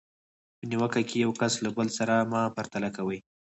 په نیوکه کې یو کس له بل سره مه پرتله کوئ.